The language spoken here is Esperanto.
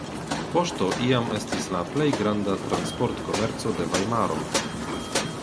Poŝto iam estis la plej granda transportkomerco de Vajmaro.